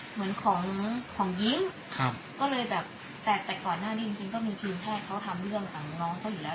เหมือนของของยิ้มก็เลยแบบแต่ก่อนหน้านี้จริงจริงก็มีทีมแพทย์เขาทำเรื่องของน้องเขาอยู่แล้ว